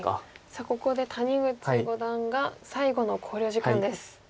さあここで谷口五段が最後の考慮時間です。